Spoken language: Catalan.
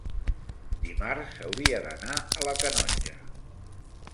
dimarts hauria d'anar a la Canonja.